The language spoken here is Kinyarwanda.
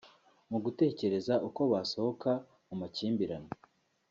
mu gutekereza uko basohoka mu makimbirane